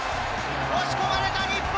押し込まれた日本。